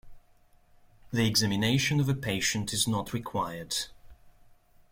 The examination of a patient is not required.